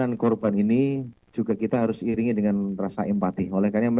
arti dan negatif ya seperti ini di pinggirkan nanti ya ya yg mengenai hal ini bahasa lebih